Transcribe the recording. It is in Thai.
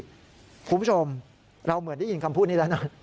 คุณผู้ชมเราเหมือนได้ยินคำพูดนี้แล้วนะ